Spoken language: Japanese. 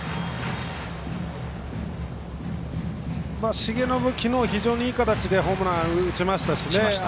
重信はきのうは非常にいい形でホームランを打ちましたしね。